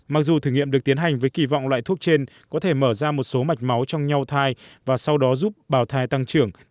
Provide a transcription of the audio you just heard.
mặc dù thử nghiệm được tiến hành với kỳ vọng loại thuốc trên có thể mở ra một số mạch máu trong nhau thai và sau đó giúp bào thai tăng trưởng